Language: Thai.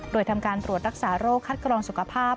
โดยทำการตรวจรักษาโรคคัดกรองสุขภาพ